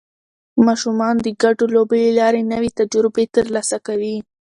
ماشومان د ګډو لوبو له لارې نوې تجربې ترلاسه کوي